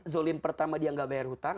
zolim pertama dia nggak bayar hutang